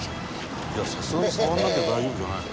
「さすがに触らなきゃ大丈夫じゃないの？」